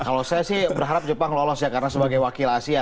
kalau saya sih berharap jepang lolos ya karena sebagai wakil asia